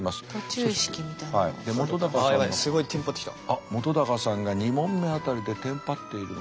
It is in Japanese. あっ本さんが２問目あたりでテンパっているのか。